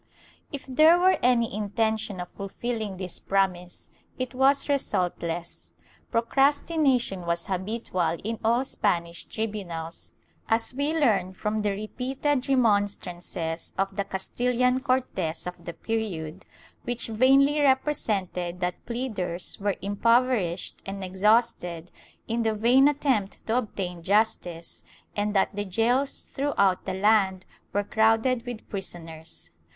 ^ If there were any intention of fulfilling this promise it was resultless. Procrastination was habitual in all Spanish tribunals, as we learn from the repeated remonstrances of the Castilian Cortes of the period, which vainly represented that pleaders were impoverished and exhausted in the vain attempt to obtain justice, and that the gaols throughout the land were crowded with pris oners.